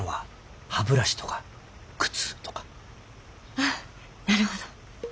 ああなるほど。